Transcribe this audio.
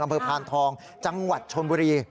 อำเภอพานทองจังหวัดชลบุรี